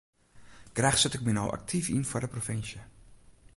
Graach set ik my no aktyf yn foar de provinsje.